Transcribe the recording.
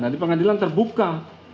nah di pengadilan terbuka